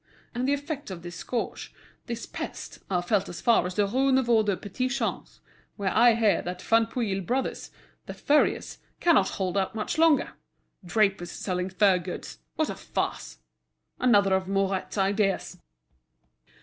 And the effects of this scourge, this pest, are felt as far as the Rue Neuve des Petits Champs, where I hear that Vanpouille Brothers, the furriers, cannot hold out much longer. Drapers selling fur goods—what a farce! another of Mouret's ideas!"